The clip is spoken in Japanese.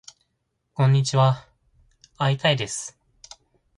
こんにちはーー会いたいです